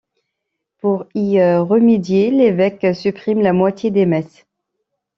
Pour y remédier, l’évêque supprime la moitié des messes.